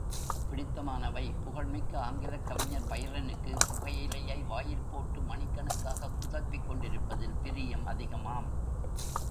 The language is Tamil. பிடித்தமானவை புகழ்மிக்க ஆங்கிலக் கவிஞர் பைரனுக்கு புகையிலையை வாயில் போட்டு, மணிக்கணக்காக குதப்பிக் கொண்டிருப்பதில் பிரியம் அதிகமாம்.